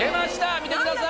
見てください。